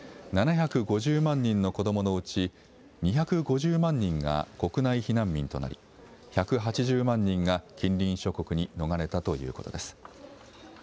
７５０万人の子どものうち２５０万人が国内避難民となり１８０万人が近隣諸国に逃れたということです。